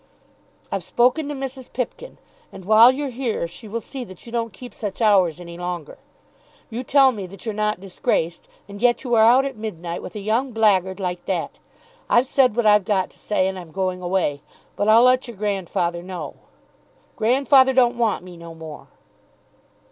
"I've spoken to Mrs. Pipkin, and while you're here she will see that you don't keep such hours any longer. You tell me that you're not disgraced, and yet you are out at midnight with a young blackguard like that! I've said what I've got to say, and I'm going away. But I'll let your grandfather know." "Grandfather don't want me no more."